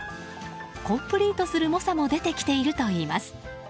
コンプリートする猛者も出てきているといいます。